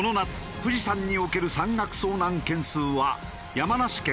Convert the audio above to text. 富士山における山岳遭難件数は山梨県